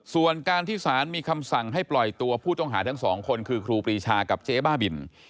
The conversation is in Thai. ส่วนการที่สารมีคำสั่งให้ปล่อยตัวผู้ต้องหาทั้งสองคนคือครูปรีชากับเจ๊บ้าบิน